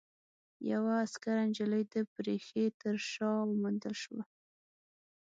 يوه عسکره نجلۍ د پرښې تر شا وموندل شوه.